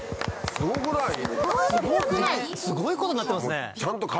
すごいことになってますね。